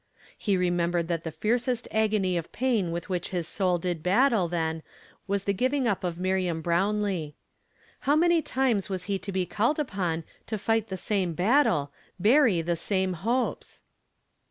He remembered that the fiercest agony of [lain with which his soul did battle then was the giving up of Miriam Brown lee. How many times was he to be called upon to fight the same battle, bury the same hopes